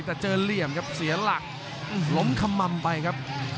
แต่เจอเหลี่ยมครับเสียหลักล้มขม่ำไปครับ